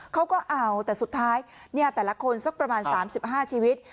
เขาก็เอาแต่สุดท้ายแต่ละคนสักประมาณ๓๕ชีวิต